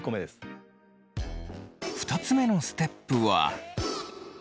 ２つ目のステップは。